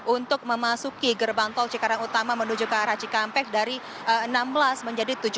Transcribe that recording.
untuk memasuki gerbang tol cikarang utama menuju ke arah cikampek dari enam belas menjadi tujuh belas